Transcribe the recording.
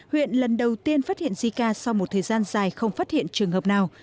huyện lần đầu tiên phát hiện zika sau một thời gian dài không phát hiện trường hợp nào